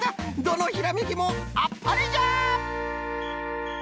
どのひらめきもあっぱれじゃ！